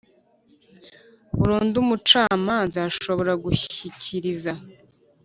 Burundu Umucamanza Ashobora Gushyikiriza